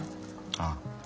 ああ。